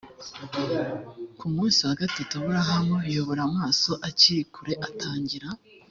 ku munsi wa gatatu aburahamu yubura amaso akiri kure atangira